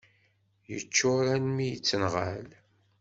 Yeččur almi yettenɣal.